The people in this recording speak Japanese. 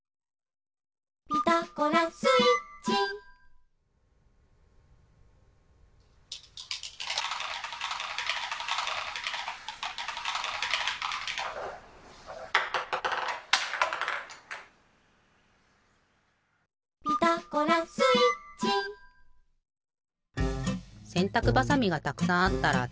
「ピタゴラスイッチ」「ピタゴラスイッチ」せんたくばさみがたくさんあったらつくってみてね。